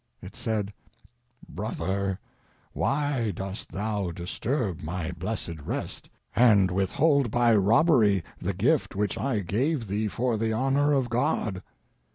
It said: "Brother, why dost thou disturb my blessed rest and withhold by robbery the gift which I gave thee for the honor of God?"